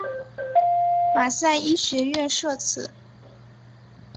马赛医学院设此。